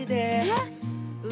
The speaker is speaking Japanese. えっ